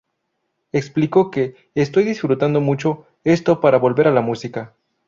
Explicó que "Estoy disfrutando mucho esto para volver a la música.